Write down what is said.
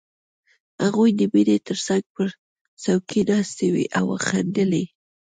هغوی د مينې تر څنګ پر څوکۍ ناستې وې او خندلې